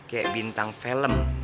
kayak bintang film